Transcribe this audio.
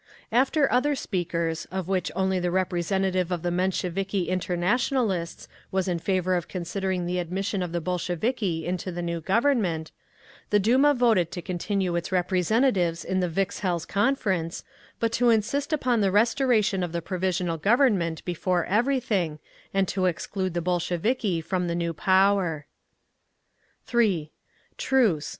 After other speakers, of which only the representative of the Mensheviki Internationalists was in favour of considering the admission of the Bolsheviki into the new Government, the Duma voted to continue its representatives in the Vikzhel's conference, but to insist upon the restoration of the Provisional Government before everything, and to exclude the Bolsheviki from the new power…. 3. TRUCE.